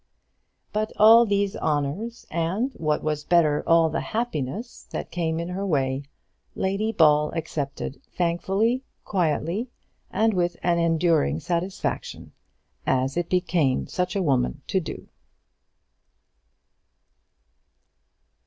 But all these honours, and, what was better, all the happiness that came in her way, Lady Ball accepted thankfully, quietly, and with an enduring satisfaction, as it became such a woman to do.